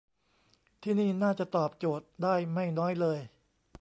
ที่นี่น่าจะตอบโจทย์ได้ไม่น้อยเลย